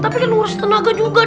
tapi kan harus tenaga juga dut